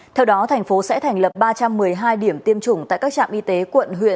theo đó thành phố sẽ thành lập ba trăm một mươi hai điểm tiêm chủng tại các trạm y tế quận huyện